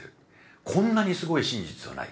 こんなにすごい真実はない。